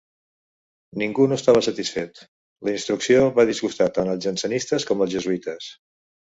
Ningú no estava satisfet: la instrucció va disgustar tant als jansenistes com als jesuïtes.